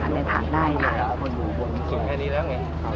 อยู่แค่นี้แล้วไงอยู่ตรงนี้แล้ว